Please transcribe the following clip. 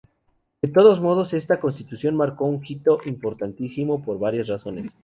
De todos modos, esta Constitución marcó un hito importantísimo, por varias razones.